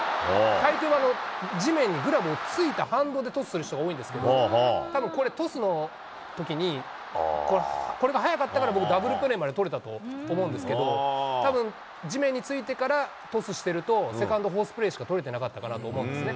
たいていは地面にグラブをついた反動でトスする人が多いんですけど、たぶんこれ、トスのときに、これが早かったから僕、ダブルプレーまで取れたと思うんですけど、たぶん、地面についてからトスしてると、セカンド、フォースプレーしか取れてなかったと思うんですね。